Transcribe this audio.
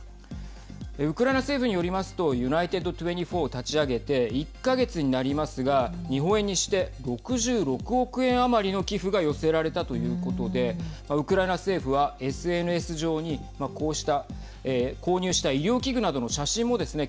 ウクライナ政府によりますとＵＮＩＴＥＤ２４を立ち上げて１か月になりますが日本円にして６６億円余りの寄付が寄せられたということでウクライナ政府は、ＳＮＳ上にこうした、購入した医療器具などの写真もですね